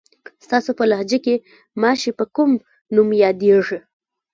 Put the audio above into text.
ستاسو په لهجه کې ماشې په کوم نوم یادېږي؟